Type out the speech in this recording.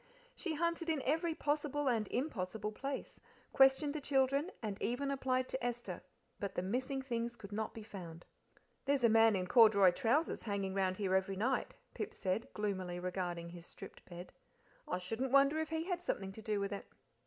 She hunted in every possible and impossible place, questioned the children, and even applied to Esther, but the missing things could not be found. "There's a man in corduroy trousers hanging round here every night," Pip said, gloomily regarding his stripped bed. "I shouldn't wonder if he had something to do with it."